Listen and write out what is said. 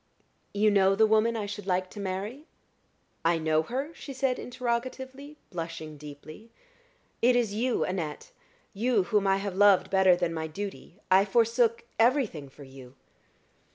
"You know the woman I should like to marry?" "I know her?" she said, interrogatively, blushing deeply. "It is you, Annette you whom I have loved better than my duty. I forsook everything for you."